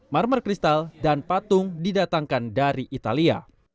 marmer kristal dan patung didatangkan dari italia